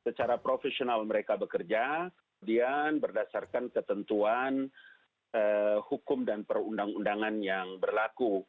secara profesional mereka bekerja kemudian berdasarkan ketentuan hukum dan perundang undangan yang berlaku